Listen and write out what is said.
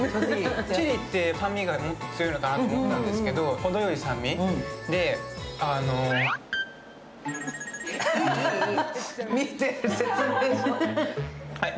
チェリーって酸味が強いのかなと思ったんですけど、ほどよい酸味ではい！